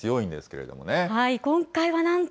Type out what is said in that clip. けれ今回はなんと。